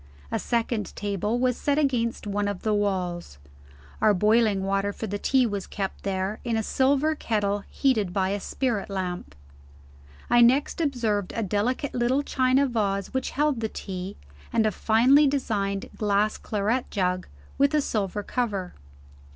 A second table was set against one of the walls. Our boiling water for the tea was kept there, in a silver kettle heated by a spirit lamp. I next observed a delicate little china vase which held the tea, and a finely designed glass claret jug, with a silver cover.